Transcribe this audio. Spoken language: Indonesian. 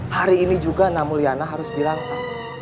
hari ini juga namulyana harus bilang a